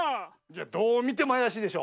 どうみてもあやしいでしょ。